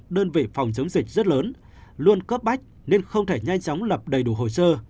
đơn vị phòng chống dịch rất lớn luôn cấp bách nên không thể nhanh chóng lập đầy đủ hồ sơ